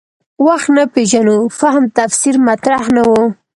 وخت نه پېژنو فهم تفسیر مطرح نه و.